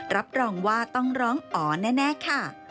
รับรองว่าต้องร้องอ๋อแน่ค่ะ